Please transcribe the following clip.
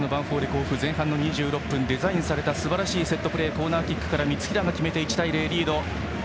甲府前半の２６分にデザインされたすばらしいセットプレーコーナーキックから三平が決めて１対０。